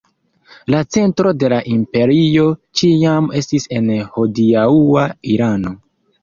La centro de la imperio ĉiam estis en hodiaŭa Irano.